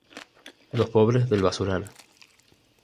Los pobres del basural.